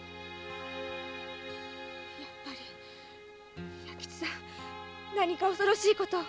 やっぱり弥吉さん何か恐ろしいことを。